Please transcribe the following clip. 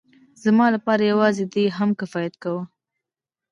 زما لپاره يوازې دې هم کفايت کاوه.